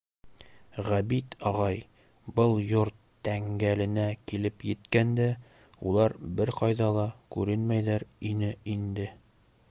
Ғәбит ағай был йорт тәңгәленә килеп еткәндә, улар бер ҡайҙа ла күренмәйҙәр ине инде.